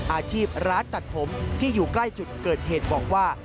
อาชีพร้านตัดผมที่อยู่ใกล้จุดเกิดเหตุบอกว่า